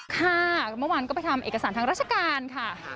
ค่ะเมื่อวานก็ไปทำเอกสารทางราชการค่ะ